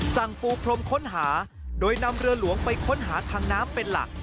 สั่งปูพรมค้นหาโดยนำเรือหลวงไปค้นหาทางน้ำเป็นหลัก